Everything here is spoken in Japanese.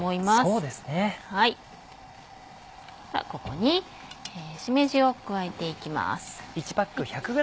そしたらここにしめじを加えていきます。